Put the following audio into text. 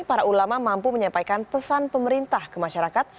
para ulama mampu menyampaikan pesan pemerintah ke masyarakat